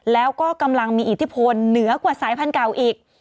แล้วก็กำลังมีอิทธิพลเหนือกว่าสายพันธุ์เก่าอีก